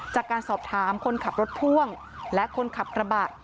จากการสอบถามคนขับรถพ่วงและคนขับกระบะ